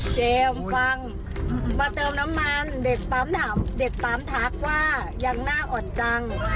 ฟังมาเติมน้ำมันเด็กปั๊มถามเด็กปั๊มทักว่ายังน่าอ่อนจัง